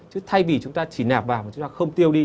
chứ thay vì chúng ta chỉ nạp vào mà chúng ta không tiêu đi